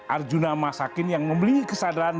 arjuna masakin yang memiliki kesadaran